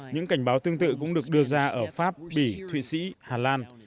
những cảnh báo tương tự cũng được đưa ra ở pháp bỉ thụy sĩ hà lan